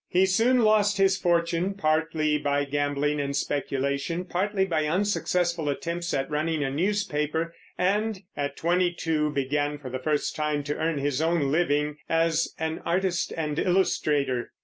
He soon lost his fortune, partly by gambling and speculation, partly by unsuccessful attempts at running a newspaper, and at twenty two began for the first time to earn his own living, as an artist and illustrator.